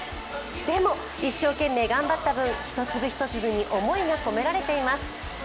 でも一生懸命頑張った分、一粒一粒に思いが込められています。